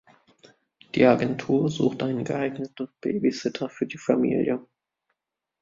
Die Agentur sucht einen geeigneten Babysitter für die Familie.